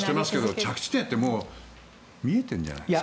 着地点ってもう見えてるんじゃないですか？